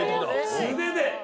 素手で！